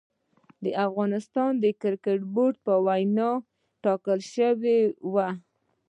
د افغانستان کريکټ بورډ په وينا ټاکل شوې وه